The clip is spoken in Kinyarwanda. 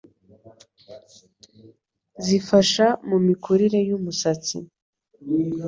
zifasha mu mikurire y'umusatsi